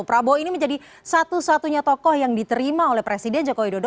prabowo ini menjadi satu satunya tokoh yang diterima oleh presiden joko widodo